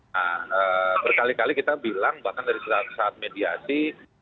nah berkali kali kita bilang bahkan dari saat mediasi